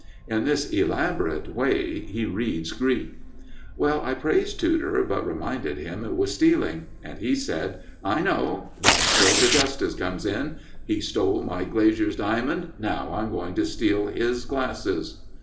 In this elaborate way he reads Greek. Well, I praised Tudor, but reminded him it was stealing. And he said: "I know: that's where the justice comes in. He stole my glazier's diamond. Now I'm going to steal his glasses."